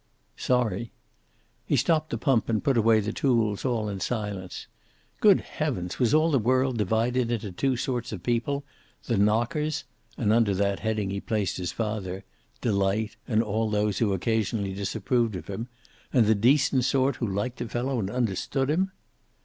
"Sorry." He stopped the pump and put away the tools, all in silence. Good heavens, was all the world divided into two sorts of people: the knockers and under that heading he placed his father, Delight, and all those who occasionally disapproved of him and the decent sort who liked a fellow and understood him?